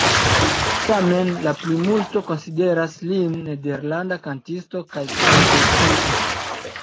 Tamen la plimulto konsideras lin nederlanda kantisto kaj kantoverkisto.